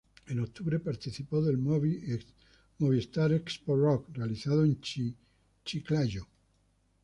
En octubre participó del "Movistar Expo Rock" realizado en Chiclayo.